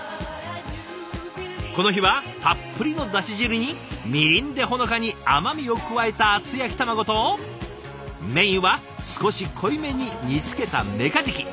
この日はたっぷりのだし汁にみりんでほのかに甘みを加えた厚焼き卵とメインは少し濃いめに煮つけたメカジキ。